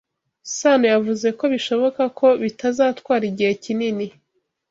Sano yavuze ko bishoboka ko bitazatwara igihe kinini.